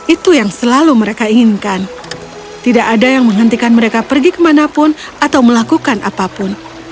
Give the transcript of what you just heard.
itu yang selalu mereka inginkan tidak ada yang menghentikan mereka pergi kemanapun atau melakukan apapun